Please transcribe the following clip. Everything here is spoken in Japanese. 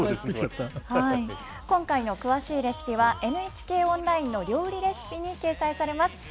今回の詳しいレシピは、ＮＨＫオンラインの料理レシピに掲載されます。